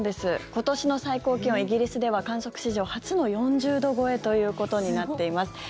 今年の最高気温、イギリスでは観測史上初の４０度超えということになっています。